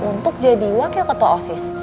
untuk jadi wakil ketosis